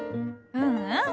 うんうん。